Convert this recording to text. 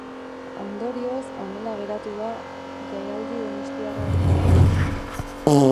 Ondorioz, honela geratu da jaialdi donostiarraren kartela.